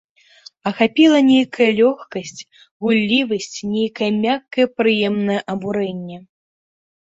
Ахапіла нейкая лёгкасць, гуллівасць, нейкае мяккае, прыемнае абурэнне.